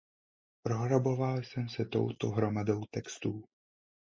Prohraboval jsem se touto hromadou textů.